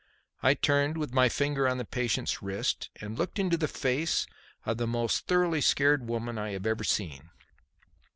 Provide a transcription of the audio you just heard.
I turned, with my finger on the patient's wrist, and looked into the face of the most thoroughly scared woman I have ever seen.